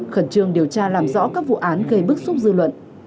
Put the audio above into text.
khẩn trương điều tra làm rõ các vụ án gây bức xúc dư luận